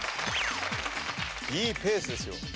いいペースですよ。